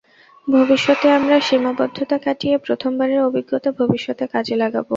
ভবিষ্যতে আমরা সীমাবদ্ধতা কাটিয়ে প্রথমবারের অভিজ্ঞতা ভবিষ্যতে কাজে লাগাব।